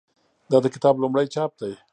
دا د کتاب لومړی چاپ دی.